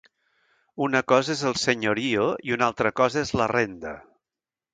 Una cosa és el senyorio i una altra cosa és la renda.